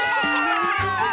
あ！